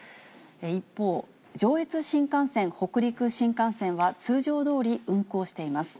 一方、上越新幹線、北陸新幹線は、通常どおり運行しています。